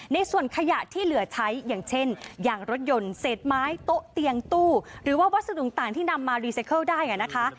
ในส่วนขยะที่เหลือใช้อย่างเช่นอย่างรถยนต์เศษไม้โต๊ะเตียงตู้หรือว่าวัสดุต่างที่นำมารีไซเคิลได้นะคะ